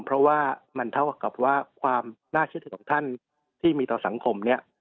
เพราะว่ามันเท่ากับว่าความน่าเชื่อถือของท่านที่มีต่อสังคมเนี่ย